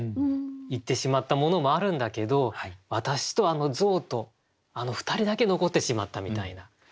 いってしまったものもあるんだけど私とあの象とあの２人だけ遺ってしまったみたいな。